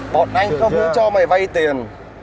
bọn anh có vũ cho mày vay tiền